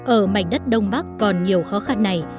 ở mảnh đất đông bắc còn nhiều khó khăn này